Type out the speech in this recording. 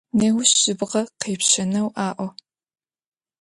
Неущ жьыбгъэ къепщэнэу аӏо.